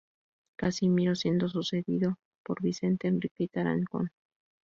Casimiro, siendo sucedido por Vicente Enrique y Tarancón.